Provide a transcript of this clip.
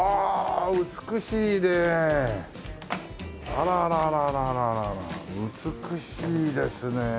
あらあらあらあら美しいですね。